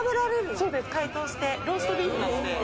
そうです解凍してローストビーフなので。